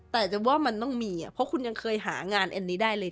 แต่จะว่ามันต้องมีเพราะคุณยังเคยหางานอันนี้ได้เลย